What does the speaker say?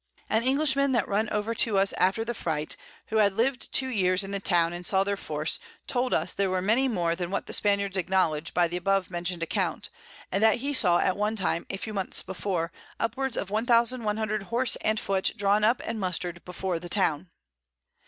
An English man that run over to us after the Fight, who had lived 2 Years in the Town, and saw their Force, told us there were many more than what the Spaniards acknowledge by the abovemention'd Account, and that he saw at one time, a few Months before, upwards of 1100 Horse and Foot drawn up and muster'd before the Town.